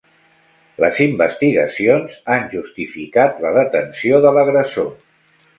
Les investigacions han justificat la detenció de l'agressor.